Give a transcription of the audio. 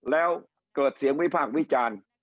แล้วเกิดเสียงวิพากษ์วิจารณ์